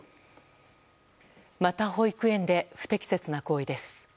また保育園で不適切な行為です。